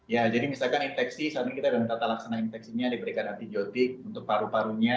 ya jadi misalkan inteksi saat ini kita ada tata laksana inteksinya diberikan artijotik untuk paru parunya